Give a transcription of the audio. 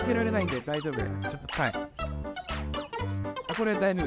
これ大丈夫。